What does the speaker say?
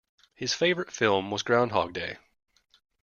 His favourite film was Groundhog Day